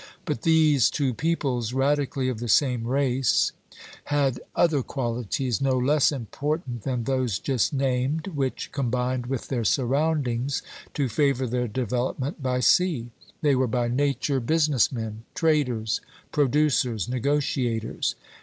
But these two peoples, radically of the same race, had other qualities, no less important than those just named, which combined with their surroundings to favor their development by sea. They were by nature business men, traders, producers, negotiators.